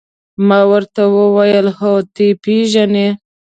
ما ورته وویل: هو، ته يې پېژنې؟